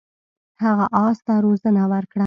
هغه اس ته روزنه ورکړه.